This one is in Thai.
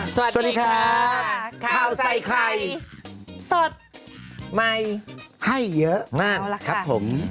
สวัสดีครับข้าวใส่ไข่สดใหม่ให้เยอะมากครับผม